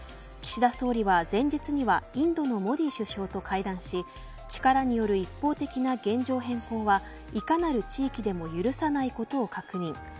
岸田総理は前日にはインドのモディ首相と会談し力による一方的な現状変更はいかなる地域でも許さないことを確認。